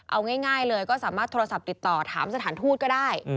เอาง่ายเลยก็สามารถโทรศัพท์ติดต่อถามสถานทูตก็ได้